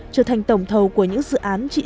trở thành tổng thầu của những dự án trị giá